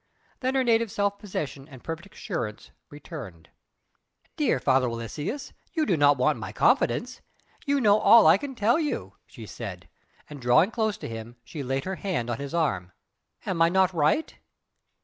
Then her native self possession and perfect assurance returned. "Dear Father Aloysius, you do not want my confidence! You know all I can tell you!" she said and drawing close to him she laid her hand on his arm "Am I not right?"